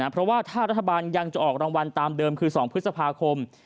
เพราะว่าถ้ารัฐบาลยังจะออกรางวัลตามเดิมคือ๒พฤษภาคม